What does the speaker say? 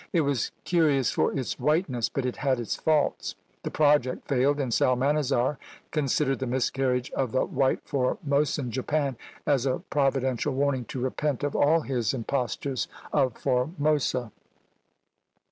It was curious for its whiteness, but it had its faults. The project failed, and Psalmanazar considered the miscarriage of the white Formosan japan as a providential warning to repent of all his impostures of Formosa!